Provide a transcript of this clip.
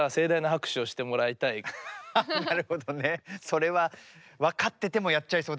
それは分かっててもやっちゃいそうですね。